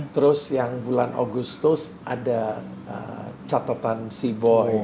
terus yang bulan agustus ada catatan si boy